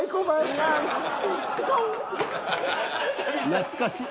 懐かしい。